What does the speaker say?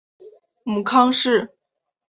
母康氏。